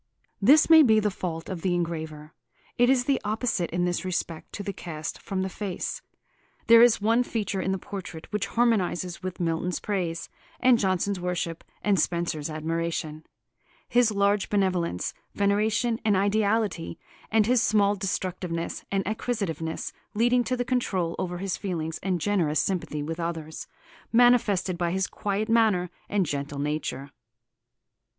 This may be the fault of the engraver. It is the opposite in this respect to the cast from the face. There is one feature in the portrait which harmonises with Milton's praise and Jonson's worship and Spenser's admiration, his large benevolence, veneration and ideality, and his small destructiveness and acquisitiveness, leading to the control over his feelings and generous sympathy with others, manifested by his quiet manner and gentle nature.